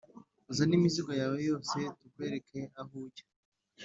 uzane imizigo yawe yose tukwereke aho ujya